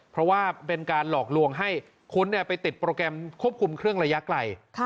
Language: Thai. เพราะว่าเป็นการหลอกลวงให้คุณไปติดโปรแกรมควบคุมเครื่องระยะไกล